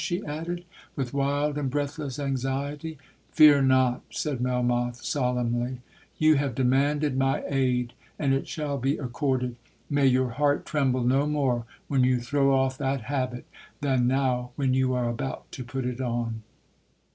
she added, with wild and breathless anxiety. 'Fear not,' said Melmoth, solemnly—'You have demanded my aid, and it shall be accorded. May your heart tremble no more when you throw off that habit, than now when you are about to put it on!'